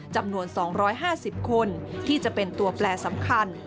จำนวน๒๕๐คนที่จะเป็นตัวแปลสำคัญ